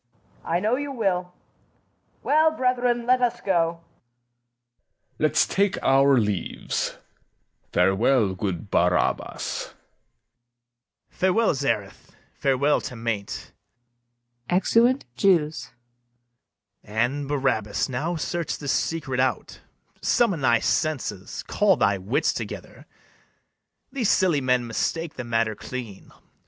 I know you will. Well, brethren, let us go. SECOND JEW. Let's take our leaves. Farewell, good Barabas. BARABAS. Farewell, Zaareth; farewell, Temainte. [Exeunt JEWS.] And, Barabas, now search this secret out; Summon thy senses, call thy wits together: These silly men mistake the matter clean.